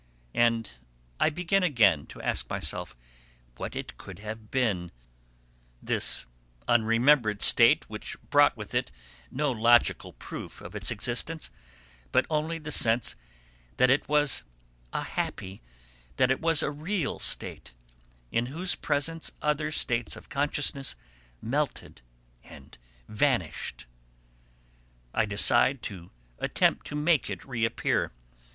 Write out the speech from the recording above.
And I begin again to ask myself what it could have been, this unremembered state which brought with it no logical proof of its existence, but only the sense that it was a happy, that it was a real state in whose presence other states of consciousness melted and vanished. I decide to attempt to make it reappear.